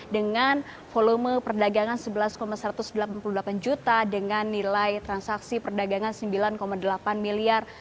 dengan volume perdagangan sebelas satu ratus delapan puluh delapan juta dengan nilai transaksi perdagangan sembilan delapan miliar